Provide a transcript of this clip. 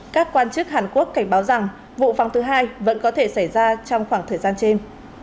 các quan chức hàn quốc cảnh báo rằng vụ phóng thứ hai vẫn có thể xảy ra trong khoảng thời gian trên